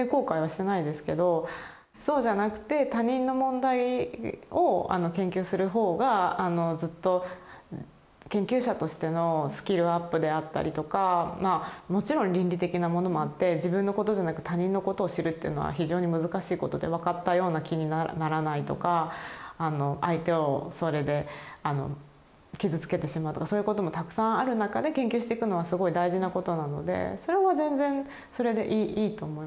そうじゃなくて他人の問題を研究するほうがずっと研究者としてのスキルアップであったりとかまあもちろん倫理的なものもあって自分のことじゃなく他人のことを知るっていうのは非常に難しいことで分かったような気にならないとか相手をそれで傷つけてしまうとかそういうこともたくさんある中で研究していくのはすごい大事なことなのでそれは全然それでいいと思いますね。